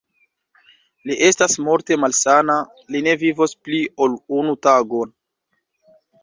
Li estas morte malsana, li ne vivos pli, ol unu tagon.